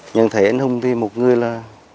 nhận thấy anh hùng thì một người là